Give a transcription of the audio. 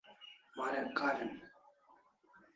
Warek karin